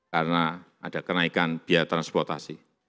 karena ada kenaikan biaya transportasi